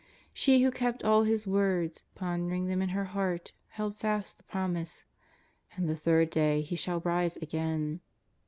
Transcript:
Slie who kept all His w^ords, pondering them in her heart, held fast the promise: '^ and the third day He shall rise again."